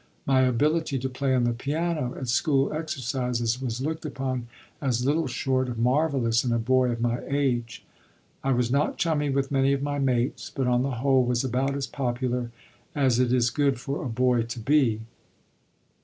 My ability to play on the piano at school exercises was looked upon as little short of marvelous in a boy of my age. I was not chummy with many of my mates, but, on the whole, was about as popular as it is good for a boy to be.